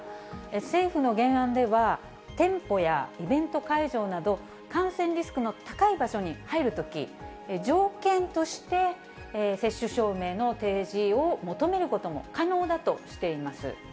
政府の原案では、店舗やイベント会場など、感染リスクの高い場所に入るとき、条件として、接種証明の提示を求めることも可能だとしています。